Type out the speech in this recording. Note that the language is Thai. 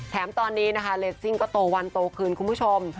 แถมตอนนี้นะคะเลสซิ่งก็โตวันโตขึ้นคุณผู้ชม